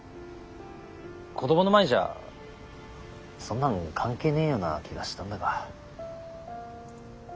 子どもの前じゃそんなん関係ねえような気がしたんだが。